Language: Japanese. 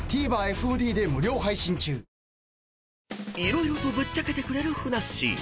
［色々とぶっちゃけてくれるふなっしー］